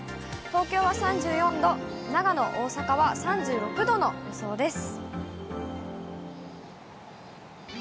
東京は３４度、長野、大阪は３６度の予想です。